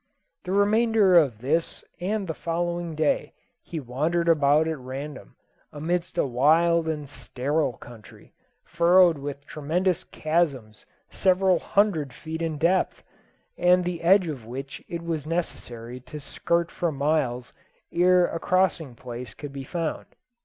The remainder of this and the following day he wandered about at random, amidst a wild and sterile country, furrowed with tremendous chasms several hundred feet in depth, and the edge of which it was necessary to skirt for miles ere a crossing place could be found.